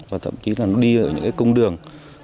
và thậm chí là nó đi vào những công đường